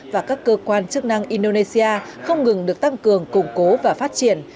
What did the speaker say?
và các cơ quan chức năng indonesia không ngừng được tăng cường củng cố và phát triển